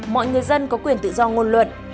mọi người dân có quyền tự do ngôn luận